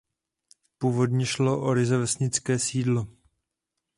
Původně šlo o ryze vesnické sídlo.